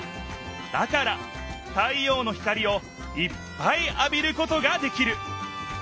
だから太ようの光をいっぱいあびることができる。